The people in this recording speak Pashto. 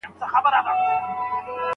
نقيبه! بم دی ټوپکوال ولاړ دي